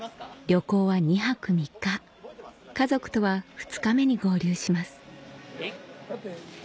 旅行は２泊３日家族とは２日目に合流します